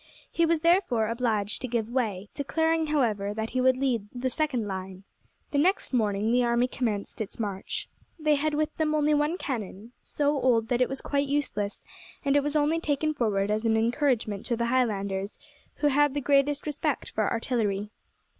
He was therefore obliged to give way, declaring, however, that he would lead the second line. The next morning the army commenced its march. They had with them only one cannon, so old that it was quite useless, and it was only taken forward as an encouragement to the Highlanders, who had the greatest respect for artillery.